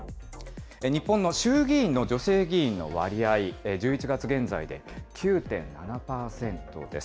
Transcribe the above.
日本の衆議院の女性議員の割合、１１月現在で９．７％です。